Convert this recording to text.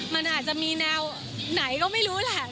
มันอาจจะมีแนวไหนก็ไม่รู้แหละ